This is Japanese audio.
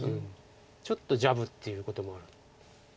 ちょっとジャブっていうこともある。